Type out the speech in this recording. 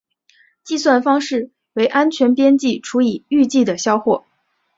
计算方式为安全边际除以预计的销货。